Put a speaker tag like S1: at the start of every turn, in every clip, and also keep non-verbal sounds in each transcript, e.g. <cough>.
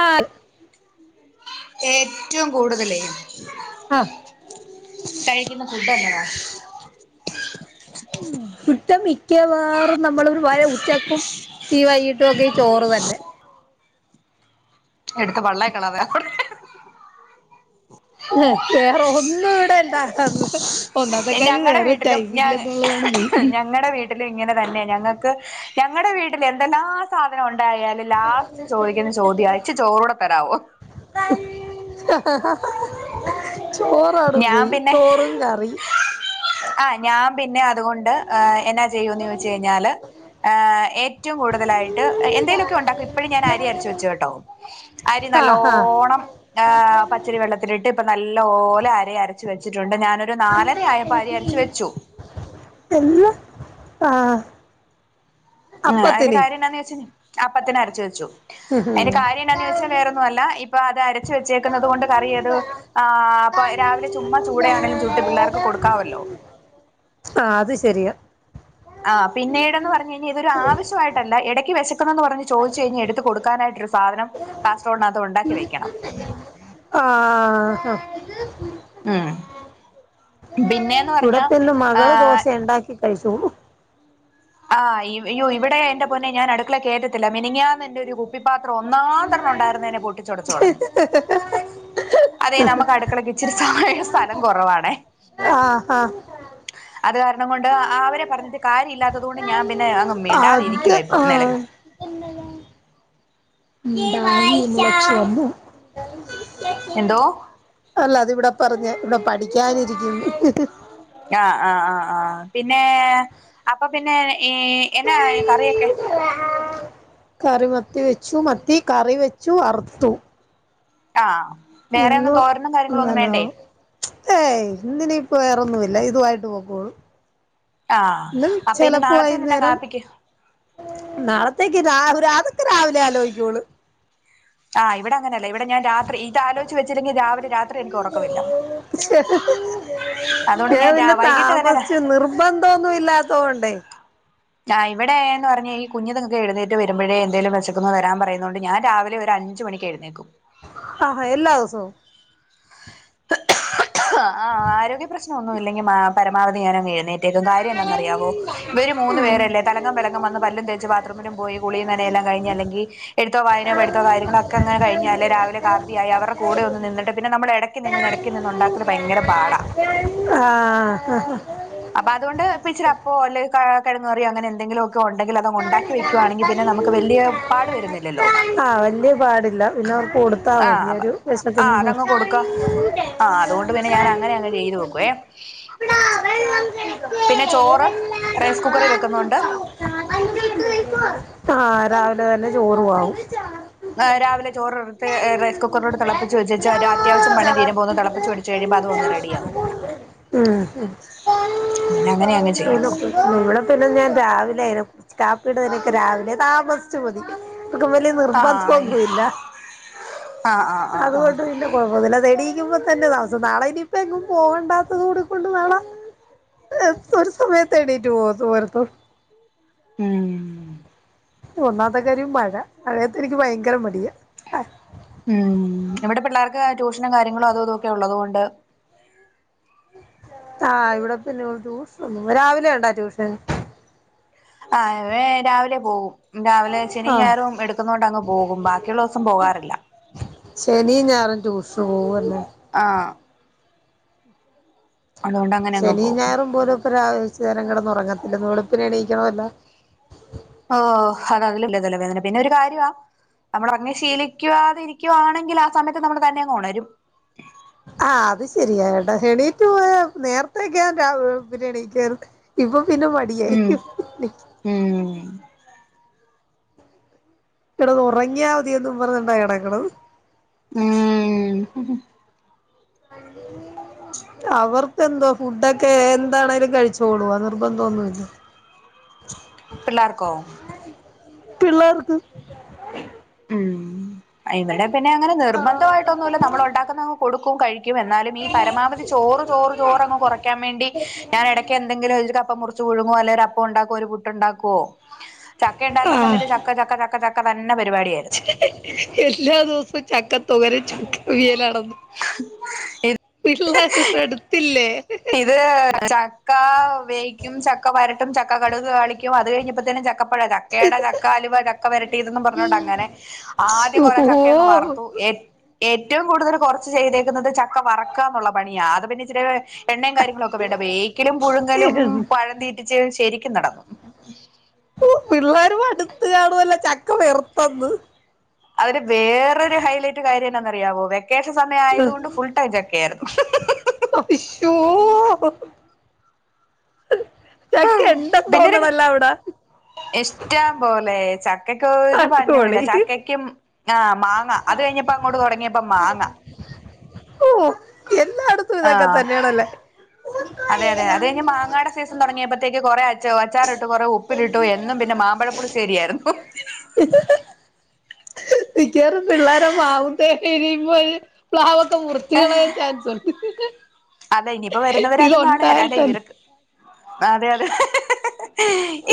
S1: ആഹ്
S2: ഏറ്റവും കൂടുതലേ
S1: ആഹ്
S2: കഴിക്കുന്ന ഫുഡ്‌ എന്നതാ
S1: ഫുട്ട് മിക്കവാറും നമ്മള് ഒര് വഴെ ഉച്ചക്കും ഈ വൈകീട്ടും ഒക്കെ ഈ ചോറ് തന്നെ
S2: എടുത്ത് വള്ളായിക്കളാതെ <unintelligible>
S1: <unintelligible> വേറെ ഒന്നും ഇവിടെല്ല ഉണ്ടാക്കാറില്ല ഒന്നാമത്തെ കാര്യം
S2: ഞങ്ങടെ
S1: വേറെ
S2: വീട്ടിലും
S1: ടൈമ
S2: ഞാ
S1: ഇല്ല എന്നുള്ളതാണ് മെയ്ൻ
S2: ഞങ്ങടെ ഇങ്ങനെ തന്നെയ ഞങ്ങക്ക് ഞങ്ങളുടെ വീട്ടിൽ എന്തെല്ലാ സാധനം ഉണ്ടായാലും ലാസ്റ്റ് ചോദിക്കുന്ന ചോദ്യം ഇച്ച് ചോറൂടെ തരമോ
S1: ചോറാണ്
S2: ഞാൻ
S1: മെയിൻ
S2: പിന്നെ
S1: ചോറും കറി
S2: ആഹ് ഞാൻ പിന്നെ അതുകൊണ്ട് എന്നാ ചെയ്യുന്ന ചോദിച്ച കഴിഞ്ഞാല് ഏ് ഏറ്റവും കൂടുതലായിട്ട് എന്തേലുമൊക്കെ ഉണ്ടാക്കും ഇപ്പോഴും ഞാൻ ആരി അരച്ച വച്ച കേട്ടോ അരി
S1: ആഹ് ആഹ്
S2: നല്ലോണം പച്ചരി വെള്ളത്തിലിട്ട് ഇപ്പൊ നല്ല ഓലെ അരി അരച്ച വെച്ചിട്ടുണ്ട് ഞാൻ ഒരു നാലരയപ്പോ അരി അരച്ചു വെച്ചു.
S1: എന്ത ആഹ്
S2: ഉ അതിന്റെ
S1: അപ്പത്തിന്
S2: കാര്യം എന്താന്ന് വെച്ച അപ്പത്തിന് അരച്ച വെച്ചു
S1: ഉം
S2: അതിന്റെ
S1: ഉം
S2: കാര്യം എന്താന്ന് വെച്ചാ വേറൊന്നും അല്ല ഇപ്പൊ അത് അരച്ച വെച്ചേക്കുന്നത് കൊണ്ട് കറിയത് ആ് അപ്പൊ രാവിലെ ചുമ് ചൂടയാണെങ്കിലും ചൂട്ട് പിള്ളേർക്ക് കൊടുക്കാമല്ലോ
S1: ആഹ അത് ശരിയ
S2: ആ പിന്നീട് പറഞ്ഞഞ് കഴിഞ്ഞ ഇതൊ ആവശ്യമായിട്ടല്ല ഇടക്ക് വിശക്കുന്നു എന്ന് പറഞ്ഞ് ചോദിച്ചു കഴിഞ്ഞാ എടുക്കായിട്ട് സാധനം കാസറ്റർബോഡിനകത്ത് ഉണ്ടാക്കി വെക്കണം.
S1: ആഹഹ്
S2: ആഹ്
S1: ഇവിടപ്പന്നന്ന് മകള്
S2: ആഹ്
S1: ദോശ ഉണ്ടാക്കി കഴിച്ചു
S2: ആഹ് ഇവിടെ എ്ന്റെ പൊന്നെ ഞൻ അടുക്കള കേട്ടത്തില്ല മിനിങ്ങാന്ന് എന്റെ ഒരു പാത്രം ഒന്നാം തവണം ഉണ്ടായിരുന്നതിനെ പൊട്ടിച്ചുടച്ച്കളഞ്ഞു അതെ നമുക്ക്ടുത്ത് മക്കളൊക്കെ ഇച്ചിരിച്ചമയ സ്ഥലം കുറവാണേ
S1: ആഹ് ആഹ
S2: അത് കാരണം കൊണ്ട് അവരെ പറഞ്ഞിട്ട് കാര്യമില്ലാ അതുകൊണ്ട് ഞാൻ പിന്നെ അങ്ങ് മിണ്ടാതെ ഇരിക്കുവ ഇപ്പം നിലക
S1: എല്ലച്ച അന്നു <inaudible>
S2: എന്തോ
S1: അല്ല അത് ഇവിടെ പറഞ്ഞ ഇവിടെ പഠിക്കാനിരിക്കും
S2: ആഹ് ആഹ് ആഹ് ആഹ് പിന്നെ അപ്പൊ പിന്നെ ഈ എന്നാ കറിയൊക്കെ
S1: കറിമത്തി വെച്ചു മത്തി കറി വെച്ചു അറുത്തു
S2: ആ വേറെയ ഒന്നും തോരണും കാര്യങ്ങളും ഒന്നും
S1: ഇങ്ങനെ
S2: വേണ്ടേ
S1: ഏയ് എന്തിന ഇപ്പ വേറൊന്നുമ ഇല്ല ഇതുായിട്ട് പോൊക്കുള്ളു
S2: ആഹ്
S1: പി
S2: അപ്പൊ ഇനി
S1: ചെിലപ്പോ
S2: നാളത്തേനെന്നാ
S1: വൈകുന്നേരം
S2: കാപ്പിക്ക്
S1: നാളത്തേക്ക് അതൊക്കെ രാവിലെ ആലോചിക്കളൂ
S2: ആഹ് ഇവിടെ അങ്ങനെയല്ലേ ഇവിടെ ഞാൻ രാത്രി ഇത് ആലോചച്ച് വെച്ചില്ലെങ്കിൽ രാവിലെ രാത്രി എനിക്ക് ഉറക്കമില്ല
S1: <inaudible>
S2: അതുകൊണ്ട്
S1: ഞാൻ
S2: രാ
S1: പിന്നെ
S2: വൈകിട്ട് തന്നെ രാ
S1: താമസിച്ചു നിർബന്ധംന്നും ഇല്ലാത്തോൊണ്ടേ
S2: <inaudible> ഞാ ഇവിടെയ എന്ന് പറഞ്ഞ ഈ കുഞ്ഞു നിങ്ങൾ എഴുന്നേറ്റ് വരുമ്പഴേ എന്തേലും വിശക്കന്ന് തരാൻ പറയുന്നുണ്ട് ഞൻ രാവിലെ ഒരു അഞ്ച മണി എഴുന്നേക്കും
S1: ആഹാ എല്ലാ ദിവസവും
S2: ആ ആരോഗ്യ പ്രശ്ന ഒന്നും ഇല്ലെങ്കിൽ പരമാവധി ഞാനും എഴുന്നേറ്റേക്കും കാര്യം എന്താന്നറിയാവോ ഇവര്
S1: ഉം
S2: മൂന്നുപേരല്ലേ തലംലങ്ക വന്ന് പല്ലും തേച്ച് ബാത്റൂമിലും പോയി കുളിയും തന്നെല്ലാംഴിഞ്ഞ് അല്ലങ്കിൽ എടുത്തോ വായനോ പഠത്തോ കയങ്ങളൊക്കെങ്ങനെ കഴിഞ്ഞാ അല്ലെ രിലെപ്പിയായി അവടെൂടെ ഒന്ന് നിിട്ട് പിന്നെ നമ്മൾ ഇടക്ക് നിന്ന് ഇടക്ക് നിന്ന് ഉണ്ടാക്കല് ഭയങ്കര പാടാ
S1: ആഹ് ഹാ ഹാ
S2: അപ്പൊ അതുകൊണ്ട്ന്നെച്ചില അപ്പോ അല്ല കിങ്ങറിയ അങ്ങനെ എന്തെങ്കിലും ഉണ്ടെങ്കിൽ അത് ഉണ്ടാക്കി വെക്കുവാണെങ്കിൽ പിന്നെ നമുക്ക് വലിയ പാട് വരുന്നില്ലല്ലോ
S1: ആഹ് വല്യ പാടില്ല പിന്നെ അവർക്ക് കൊടുത്താൽ മതി
S2: ആഹ്
S1: ഒരു
S2: ആഹ്
S1: വിശത്തൊന്നും
S2: അതങ്ങ് കൊടുക്ക ആഹ് അതുകൊണ്ട്
S1: ന
S2: പിന്നെ ഞാൻ അങ്ങനെ അങ്ങ് ചെയ്തു വെക്കുവേ
S1: ഇ അവ ന <unintelligible>
S2: പിന്നെ ചോറ് റൈസ് കുക്കറി വെക്കുന്നുണ്ട്
S1: ആഹ് രാവിലെ തന്നെ ചോറ ആവും
S2: എ രാവിലെ ചോറടുത്ത് റൈസ് കുക്കറോട് തിളപ്പി വെച്ച് അത്യാവശ്യ പണ തീരെം പോകന്ന് തിപ്പിച്ച് വെു കഴിയുമ്പോ അത് അങ് റെഡിയാവും പിന്നെ അങ്ങനെ അങ്ങ് ചെയ്യും
S1: ഉം ഇവിടെ പിന്നെ ഞാൻ രാവിലെ അയി കാപ്പീടക്കെ രാവിലെ താമസിച്ച മതി
S2: ആഹ്
S1: നിർബന്ധന്നുല്ല
S2: ആഹ് ആഹ് ആഹ് ആഹ്
S1: അതോണ്ട് പിന്നെ ഇ പുതില തെടിക്കുമ്പോ തന്നെ ദിവസം നാളെ ഇനിയിപ്പൊ എങ്ങും പോകണ്ടാത്തത് കൂടിക്കൊണ്ട് പോണം ഒരു സമയത്തെണീ പോത്ത <unintelligible>
S2: ഉം <inaudible>
S1: ഒന്നാത്തെ കാര്രി മഴ മഴയത്ത് എനിക്ക് ഭയങ്കര മടിയ
S2: ഉം ഇവിടെ പിള്ളേർക്ക് ട്യൂഷനും കാര്യങ്ങളും അതും ഇതൊക്കെ ഉള്ളതുകൊണ്ട്
S1: ആഹ് ഇവിടെ പിന്നെ ട്യൂഷൻ ഒന്ന രാവിലെ വണ്ട ട്യൂഷൻ
S2: ആ രാവിലെ പോകും രാവിലെ ശനി
S1: ആഹ്
S2: ഞായറും എടുക്കുന്നോട്ട് അങ്ങ് പോകും ബാക്കിയുള്ള ദിവസം പോകാറില്ല.
S1: ശനിയും ഞയറും ടു ഷൂവല്ലേ?
S2: ആഹ് അതുകൊണ്ട് അങ്ങനെ അങ്ങ്
S1: ശനിം
S2: പോകും
S1: ഞായറും പോലഒക്കെ ആവേശ കൊറച്ചേരാം കിടന്ന് ഉറങ്ങത്തില്ലന്ന് വെളുപ്പിനെ എണീക്കണല്ലോ
S2: ഓ അത് അതിലും വലിയ തലവേദന പിന്നെ ഒരു കാര്യവാ നമ്മൾ അങ്ങ് ശീലിക്കാതെ ഇരിക്കുകവാണെങ്കിൽ ആ സമയത്ത് നമ്മൾ തന്നെങ് ഉണരും.
S1: ആഹ് അത് ശരിയട്ടാ എണീറ്റ് നേരത്തേക്കെൻ പിന്നെ എണീക്കെര്ന്ന്. ഇപ്പൊ പിന്നെ മടിയായി
S2: ഉം ഉം
S1: കിടന്ന് ഉറങ്ങിയാ മതിയെന്നും പറഞ്ഞോണ്ടാ കിടക്ക്ണത്.
S2: ഉം
S1: <unintelligible> അവർക്ക് എന്തോ ഫുഡൊക്കെ എന്താണേലും കഴിച്ചോളും അത് നിർബന്ധംഒന്നുംഇല്ല.
S2: പിള്ളർക്കോ
S1: പിള്ളർക്ക്
S2: ഉം ഇവിടെ പിന്നെ അങ്ങനെ നിർബന്ധമായിട്ടൊന്നുമല്ല നമ്മൾ ഉണ്ടാക്കുന്നങ്ങ് കൊടുക്കും കഴിക്കും. എന്നാലും ഈ പരമാവധി ചോറ് ചോറ് ചോറ് കുറക്കാൻ വേണ്ടി ഞാന ഇടക്ക് എന്തെങ്കിലും ഒരു കപ്പ മുറി ഴുങ്ങോ അല്ലെങ്കിൽ ഒര് അപ്പഉണ്ടാക്കോ ഒരു പുട്ട് ഉണ്ടാക്കുവോ ചക്ക ഉണ്ടായിരുന്ന
S1: ആഹ്
S2: സമയത്ത് ചക്ക ചക്ക ചക്ക ഒക്കെത്തന്നെ പരിപാടിയായി.
S1: എല്ലാ ദിവസവും ചക്ക തോരൻ ചക്ക അവിയലാണന്ന്
S2: ഈ
S1: പിള്ളേർപ്പോടുത്തില്ലേ
S2: ഇത് ചക്ക വേ ചക്ക വരട്ടും ചക്ക കടക്ക് താളിക്കും അത് കഴിഞ്ഞപ്പോ തന്നെ ചക്ക അപ്പഴ ചക്കയുടെ ചക്ക അലുവ ചക്ക വരട്ടിയതന്ന് പറഞ്ഞോട്ടെ അങ്ങനെ. ആദ്യം
S1: ശോ
S2: കൊറെ ചക്കഅങ്ങ് വറുത്തുഏ. ഏറ്റവും കൂടുതൽ കുറച്ച് ചെയ്തേക്കുന്നത് ചക്ക വറക്കന്നുള്ള പണിയാ അത് പിന്നെ ഇച്ചരി എണ്ണയും കാര്യങ്ങളും ഒക്കെ ക്കെ വേവിക്കലും പുഴുങ്ങലും പഴം തീറ്റിച്ച് ശരിക്കും നടന്നു.
S1: ഉം പിള്ളേര് മടുത്ത് കാണുവല്ലോ ചക്ക വെറുത്തന്ന്.
S2: അതിന് വേറൊരു ഹൈലൈറ്റ് കാര്യം എന്താന്ന് അറിയാവോ വെക്കേഷൻ സമയം ആയതുകൊണ്ട് ഫുൾ ടൈം ചക്ക ആയിരുന്നു.
S1: ഓ ഇശ്വോ ചക്ക ഉണ്ടെന്ന്
S2: പിന്നൊരു
S1: തോന്നണല്ലോ അവിടെ.
S2: ഇഷ്ടം പോലെ ചക്കക്ക് ഒരു പഞ്ഞുംയില്ല
S1: അടിപൊളി
S2: ചക്കക്കും. ആഹ് മാങ്ങ അത് കഴിഞ്ഞപ്പ അങ്ങോട്ട് തുടങ്ങിയപ്പോ മാങ്ങ.
S1: ഓ എന്നാട
S2: ആഹ്. അതെയതെ, അതെയ്ഞ്ഞ് മാങ്ങാടെ സീസൻ തൊടങ്ങിയപ്പൊത്തേക്ക് കൊറെ അച്ച അച്ചാറ്. ട്ട് കൊറെ ഉപ്പിലിട്ടു. എന്നും പിന്നെ മാമ്പഴപ്പുളിശ്ശേരിയാര്ന്നു.
S1: <unintelligible> മിക്ക്യാറും പിള്ളേരെ മാവുത്തെ എരിയും പോലെ. പ്ലാവൊക്കെ മുറിച്ച്കളയാൻ ചാൻസുണ്ട്.
S2: അതെ. ഇനിയിപ്പോ വരുന്നവര് അതും കാണുകേല. അല്ല ഇവര്ക്ക് ആഹ്, അതെ, അതെ.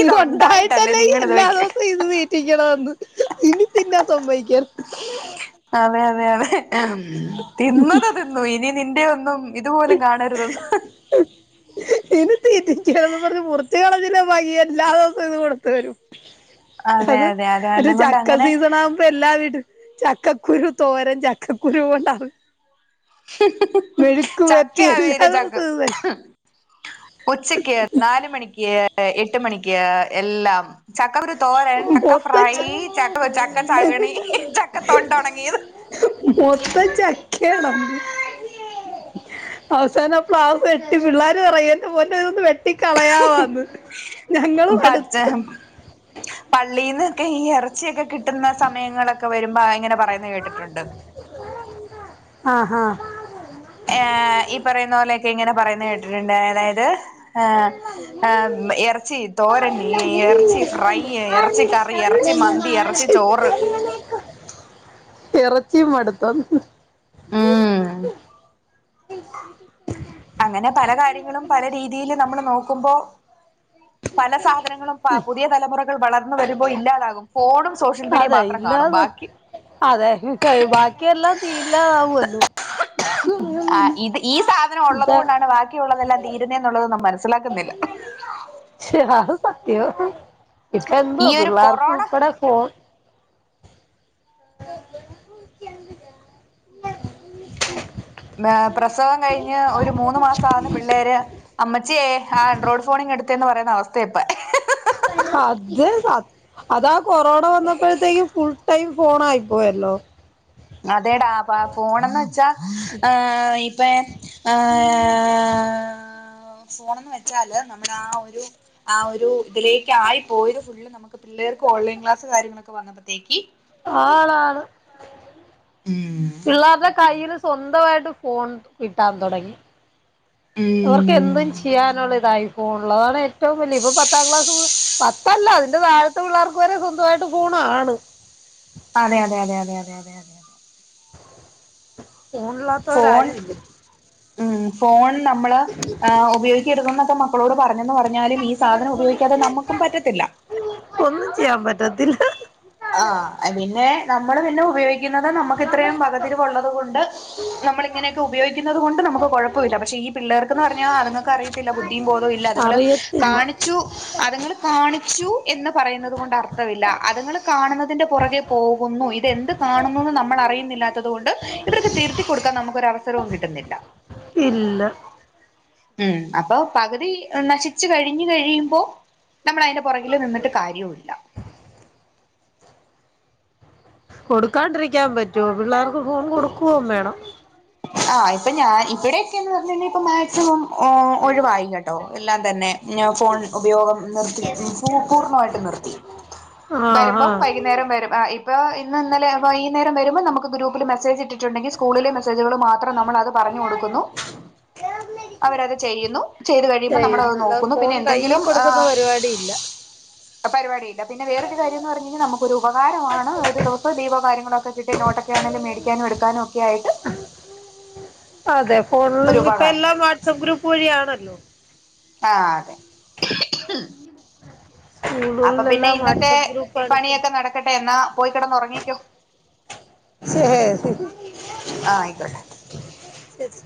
S2: ഇതൊണ്ടായിട്ടല്ലേ നിങ്ങളിത് വെയ്ക്ക
S1: <unintelligible> തീറ്റിയ്ക്കണോന്ന് ഇനി തിന്നാൻ സമ്മയ്ക്കെ.
S2: അതെ, അതെ, അതെ തിന്നത് തിന്നു. ഇനി ഇതിന്റെ ഒന്നും ഇത്പോലും കാണരുതെന്ന്.
S1: ഇനി തിരിക്കര്തെന്നും പർഞ്ഞ് മുറിച്ചുകളഞ്ഞില്ലെ വയ്യ് അല്ലാതൊന്ന് <unintelligible> കൊട്ത് വരും.
S2: അതെ
S1: അത്
S2: അതെ
S1: മറ്റേ
S2: കാരണം കൊണ്ട്
S1: ചക്ക
S2: അങ്ങനെ
S1: സീസണാവു ഇപ്പ എല്ലാ വീട്ടും ചക്കക്കുരു തോരൻ, ചക്കക്കുരു ഉണ്ടാവു വരട്ടി എല്ലാ
S2: ചക്കയവിയല്, ചക്ക്
S1: ദിവസവും ഇത് തന്നെ
S2: ഉച്ചയ്ക്ക്, നാല് മണിയ്ക്ക്, എട്ട് മണിയ്ക്ക്, എല്ലാം. ചക്ക കുരു തോരൻ, ചക്ക
S1: മൊത്തം
S2: ഫ്രൈ,
S1: ച
S2: ചക്ക ചക്ക ചക്ണി, ചക്ക തൊണ്ടൊണങ്ങിയത്.
S1: മൊത്തം ചക്ക്യാണ്. അവസാനം പാവം വെട്ടി. പിള്ളാര് പറയാണെന്റെ പൊന്നോ ഒന്ന് വെ വെട്ടി കളയാവാന്ന്. ഞങ്ങളും മട്ത്ത്.
S2: പള്ളീന്ന്ക്കെ ഈ എറച്ചിയൊക്കെ കിട്ട്ന്ന സമയങ്ങളൊക്കെ വെരുമ്പൊ ആഹ് അങ്ങനെ പറയുന്ന കേട്ടിട്ടുണ്ട്.
S1: ആഹ്, ഹാഹ്
S2: ഏഹ്, ഈ പറയുന്ന പോലെയൊക്കെ ഇങ്ങനെ പറയുന്നെ കേട്ടിട്ട്ണ്ട്. അതായത് ഏഹ്, ആഹ്, മ് എർച്ചി തോരൻ, എറച്ചി ഫ്രൈ, എറ ച്ചി കറി, എറച്ചി മന്തി, എറച്ചി ചോറ്.
S1: ഇറച്ചിയും മടുത്തന്ന്.
S2: ഉം അങ്ങനെ പല കാര്യങ്ങളും പല രീതിയില് നമ്മള് നോക്കുമ്പോ പല സാധനങ്ങളും പ പുതിയ തലമുറകൾ വളർന്നു വരുമ്പോ ഇല്ലാതാകും. ഫോണും സോഷ്യൽ മീഡിയ
S1: അതെ
S2: മാത്രം കാണും.
S1: ഇല്ലാതെ
S2: ബാക്കി
S1: അതെ, <unintelligible> ബാക്കിയെല്ലാം തീ ഇല്ലാതാവുവല്ലോ
S2: ആഹ്, ഇത് ഈ സാധനം
S1: ഇതാ
S2: ഒള്ളതുകൊണ്ടാണ് വാക്കിയുള്ളതെല്ലാം തീരുന്നെന്നുള്ളതൊന്നും മനസ്സിലാക്കുന്നില്ല.
S1: ശെടാ അത് സത്യം. ഇപ്പ എന്തോ
S2: ഈ ഒരു
S1: പിള്ളേർക്കു
S2: കൊറോണ
S1: ഉൾപ്പെടെ ഫോൺ <unintelligible>
S2: ആഹ്, പ്രസവം കഴിഞ്ഞ് ഒരു മൂന്ന് മാസാവുന്നെ പിള്ളേരെ അമ്മച്ച്യേ ആൻഡ്രോഡ് ഫോണിങ്ങെടുത്തേന്ന് പറയുന്ന അവസ്ഥയാ ഇപ്പ
S1: അത് അ അതാ കൊറോണ വന്നപ്പോഴത്തേക്കും ഫുൾ ടൈം ഫോണായി പോയല്ലോ.
S2: അതേടാ ഫ ഫോണെന്ന് വെച്ചാ ഏഹ്, ഇപ്പെ ഏഹ്. ഏ ഫോണന്ന് വെച്ചാല്, നമ്മടെ ആഹ് ഒരു ആഹ് ഒരു ഇതിലേയ്ക്കായിപ്പോയ്ത് ഫുള്ള് നമക്ക് പിള്ളേർക്ക് ഓൺലൈൻ ക്ലാസ്സ്‌ കാര്യങ്ങളൊക്കെ വന്നപ്പത്തേയ്ക്ക്
S1: ആണാണ്.
S2: ഉം.
S1: പിള്ളാര്ടെ കയ്യില് സ്വന്തവായിട്ട് ഫോൺ കിട്ടാൻ തൊടങ്ങി. അവർ എന്തും ചെയ്യാനുള്ള ഇതായി ഫോൺള്. അതാണ് ഏറ്റവും വല്യ ഇപ്പം പത്താം ക്ലാസ് മു പത്തല്ല അതിന്റെ താഴത്തെ പിള്ളാർക്ക് വെരെ സ്വന്തവായിട്ട് ഫോണാണ്.
S2: അതെ അതെ അതെ അതെ അതെ യതെ യതെ യതെ ഫോൺ
S1: ഫോണ്ള്ളാത്തവരാരു ഇല്ല <unintelligible>
S2: ഉം ഫോൺ നമ്മള് ആഹ്, ഉപയോഗിക്കരുതെന്നൊക്കെ മ ക്കളോട് പറഞ്ഞെന്ന് പറഞ്ഞാലും ഈ സാധനം ഉപയോഗിക്കാതെ നമ്മക്കും പറ്റത്തില്ല.
S1: ഒന്നും ചെയ്യാൻ പറ്റത്തില്ല
S2: ആഹ് പിന്നെ നമ്മള് പിന്നെ ഉപയോഗിക്കുന്നത് നമ്മുക്ക് ഇത്രയും വകതിരിവുള്ളത് കൊണ്ട് നമ്മളിങ്ങനെയൊക്കെ ഉപോഗിക്കുന്നതുകൊണ്ട് നമുക്ക് കുഴപ്പമില്ല പക്ഷെ ഈ പിള്ളേർക്കെന്ന് പറഞ്ഞാ അതങ്ങൾക്ക് അറിയത്തില്ല ബുദ്ധിയും ബോധവുമില്ല
S1: അറിയത്തില്ല
S2: ച്ചു അതങ്ങള് കാണിച്ചു എന്ന് പറയുന്നത് കൊണ്ട് അർത്ഥമില്ല അതങ്ങള് കാണുന്നതിന്റെ പുറകെ പോകുന്നു ഇതെന്ത് കാണുന്നു എന്ന് നമ്മൾ അറിയുന്നില്ലാത്തതു കൊണ്ട് ഇവർക്ക് തിരുത്തി കൊടുക്കാൻ നമുക്കൊരു അവസരവും കിട്ടുന്നില്ല
S1: ഇല്ല
S2: ഉം അപ്പൊ പകുതി നശിച്ചു കഴിഞ്ഞു കഴിയുമ്പോ നമ്മൾ അതിന്റെ പുറകിൽ നിന്നിട്ട് കാര്യവുമില്ല
S1: കൊടുക്കാണ്ടിരിക്കാൻ പറ്റൊ പിള്ളേർ
S2: ആഹ് ഇപ്പൊ ഞാൻ ഇവടൊക്കെന്ന് പറഞ്ഞു കഴിഞ്ഞ ഇപ്പൊ മാക്സിമം ഓ ഒഴിവായി കേട്ടോ എല്ലാം തന്നെ ഞാ ഫോൺ ഉപയോഗം നിർത്തി പൂർണ്ണമായിട്ട് നിർത്തി
S1: ആഹ്
S2: വരുമ്പോം
S1: ആഹ്
S2: വൈകുന്നേരം വരും ഇപ്പൊ ഇന്ന് ഇന്നലെ വൈകുനേരം വരുമ്പോ നമുക്ക് ഗ്രൂപ്പിൽ മെസ്സേജ് ഇട്ടി ട്ട് ണ്ടെങ്കിൽ സ്കൂളിലെ മെസ്സേജുകൾ മാത്രം നമ്മൾ അത് പറഞ്ഞു കൊടുക്കുന്നു അവരത് ചെയ്യുന്നു ചെയ്ത് കഴിയുമ്പോൾ നമ്മൾത്
S1: ചെയ്യുന്നല്ല
S2: നോക്കുന്നു
S1: ഫോൺ
S2: പിന്നെ
S1: കയ്യിൽ
S2: എന്തെങ്കിലും ആ
S1: കൊടുക്കുന്ന പരിപാടി ഇല്ല
S2: പരിപാടിയില്ല പിന്നെ വെറെ ഒരു കര്യം പറഞ്ഞു കഴിഞ്ഞാ നമുക്ക് ഒരു ഉപകാരമാണ് ഒരു ദിവസ ലിവോ കാര്ങ്ങളേ ഒകെ ട്ടെ നോട്ടൊക്കെ ആണേലും മേടിക്കാനും എടുക്കാനും ഒക്കൊയിട്ട്
S1: അതെ
S2: ഒരു
S1: ഫോണിൽ ഇപ്പ
S2: ഉപകാരം
S1: എല്ലാം വാട്സആപ്പ് ഗ്രൂപ്പ് വഴിയാണല്ലോ
S2: ആഹ് ഉ അപ്പൊ പിന്നെ
S1: സ്കൂളുകളിലെല്ലാം
S2: ഇന്നത്തെ
S1: വാട്സആപ്പ് ഗ്രൂപ്പാണ് ഇപ്പം
S2: പണിയൊക്കെ നടക്കട്ടെ എന്നാ പോയി കിടന്നുറങ്ങിക്കോ
S1: ഷേ <unintelligible>
S2: ആഹ് ആയിക്കോട്ടെ
S1: ശരി